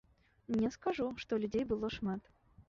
Не скажу, што людзей было шмат.